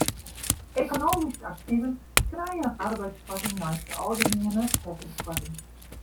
Ekonomysk aktiven krije in arbeidskoarting neist de algemiene heffingskoarting.